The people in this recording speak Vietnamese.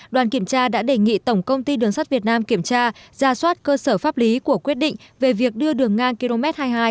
đoàn kiểm tra đã đề nghị tổng công ty đường sắt việt nam kiểm tra ra soát cơ sở pháp lý của quyết định về việc đưa đường ngang km hai mươi hai chín trăm một mươi